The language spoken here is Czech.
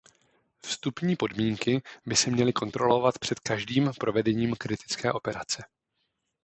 Vstupní podmínky by se měly kontrolovat před každým provedení kritické operace.